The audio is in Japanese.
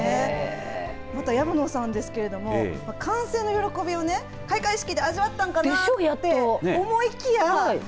また、薮野さんですけれど完成の喜びを開会式で味わったんかなって思いきや